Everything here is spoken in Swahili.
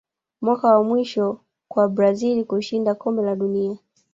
mwaka wa mwisho kwa brazil kushinda kombe la dunia